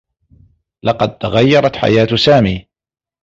لقد تغيّرت حياة سامي.